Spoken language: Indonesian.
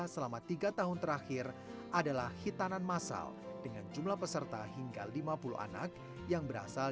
selama tiga tahun terakhir adalah hitanan masal dengan jumlah peserta hingga lima puluh anak yang berasal